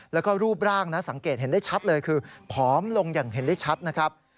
แล้วก็รูปร่างนะสังเกตเห็นได้ชัดเลยคือผอมลงอย่างเห็นได้ชัดนะครับ